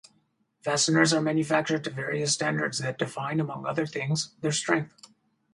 Fasteners are manufactured to various standards that define, among other things, their strength.